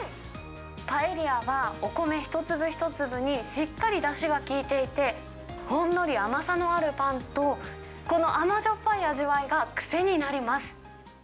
パエリアはお米一粒一粒にしっかりだしが利いていて、ほんのり甘さのあるパンと、この甘じょっぱい味わいが癖になります。